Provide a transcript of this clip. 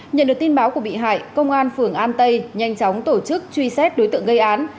nhận được tin báo của bị hại công an phường an tây nhanh chóng tổ chức truy xét đối tượng gây án